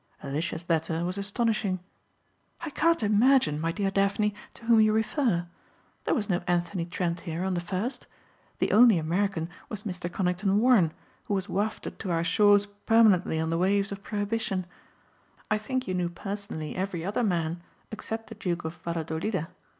Alicia's letter was astonishing. "I can't imagine, my dear Daphne to whom you refer. There was no Anthony Trent here on the first. The only American was Mr. Conington Warren who was wafted to our shores permanently on the waves of prohibition. I think you knew personally every other man except the Duke of Valladolida.